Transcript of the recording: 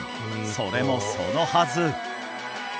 それもそのはず